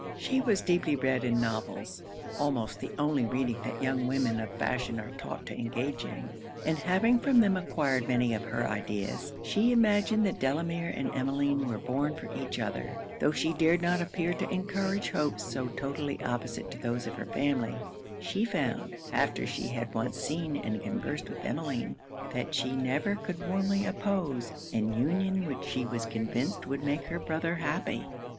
She was deeply read in novels, (almost the only reading that young women of fashion are taught to engage in;) and having from them acquired many of her ideas, she imagined that Delamere and Emmeline were born for each other; though she dared not appear to encourage hopes so totally opposite to those of her family, she found, after she had once seen and conversed with Emmeline, that she never could warmly oppose an union which she was convinced would make her brother happy.